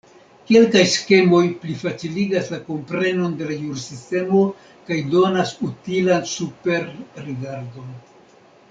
Kelkaj skemoj plifaciligas la komprenon de la jursistemo kaj donas utilan superrigardon.